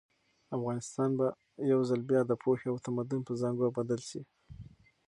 افغانستان به یو ځل بیا د پوهې او تمدن په زانګو بدل شي.